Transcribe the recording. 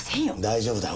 大丈夫だ。